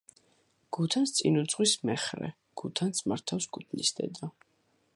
გუთანს წინ უძღვის მეხრე, გუთანს მართავს გუთნისდედა.